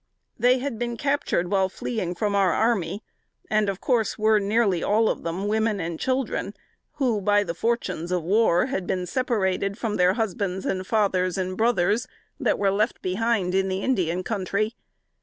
They had been captured while fleeing from our army, and of course were nearly all of them women and children, who, by the fortunes of war, had been separated from their husbands, and fathers, and brothers, that were left behind in the Indian Country.